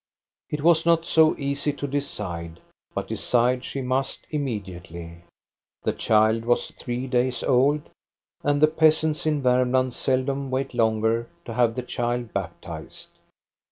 It was not so easy to decide, but decide she must immediately. The child was three days old, and the peasants in Varmland seldom wait longer to have the child baptized.